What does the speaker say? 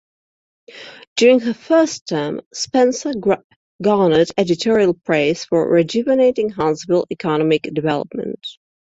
During her first term, Spencer garnered editorial praise for rejuvenating Huntsville's economic development.